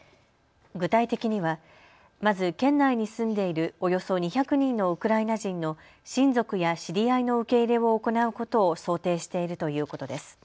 具体的にはまず県内に住んでいるおよそ２００人のウクライナ人の親族や知り合いの受け入れを行うことを想定しているということです。